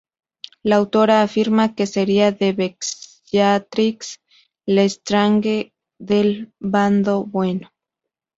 La autora afirma que sería la Bellatrix Lestrange del bando bueno.